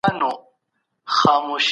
د ميرويس خان نيکه ناروغي څه ډول وه؟